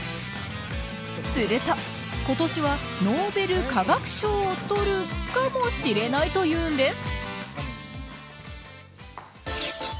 すると、今年はノーベル化学賞を取るかもしれない、というんです。